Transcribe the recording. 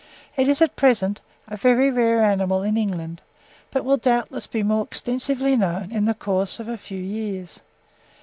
It is, at present, a very rare animal in England, but will, doubtless, be more extensively known in the course of a few years.